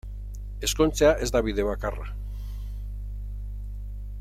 Ezkontzea ez da bide bakarra.